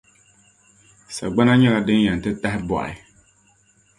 Sagbana nyɛla din yɛn ti tahibɔɣi.